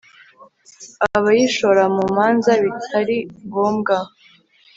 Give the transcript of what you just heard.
abayishora mu manza bitari ngombwa